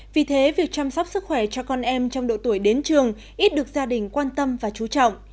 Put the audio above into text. vì thế việc chăm sóc sức khỏe cho con em trong độ tuổi đến trường ít được gia đình quan tâm và chú trọng